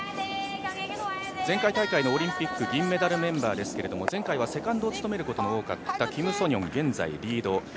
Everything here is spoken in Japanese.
前回大会のオリンピック銀メダルメンバーですけれども、前回はセカンドを務めることが多かったキム・ソニョン、現在、リード。